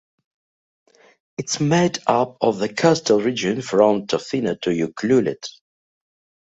It is made up of the coastal region from Tofino to Ucluelet.